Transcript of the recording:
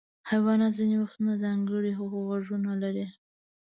حیوانات ځینې وختونه ځانګړي غوږونه لري.